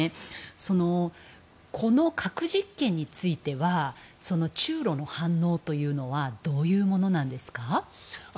この核実験については中ロの反応というのはどういうものなんですか？